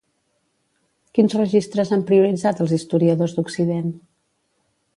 Quins registres han prioritzat els historiadors d'Occident?